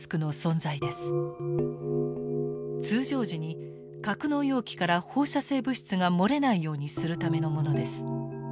通常時に格納容器から放射性物質が漏れないようにするためのものです。